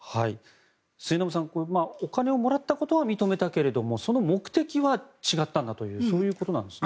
末延さんお金をもらったことは認めたけどその目的は違ったんだとそういうことなんですね。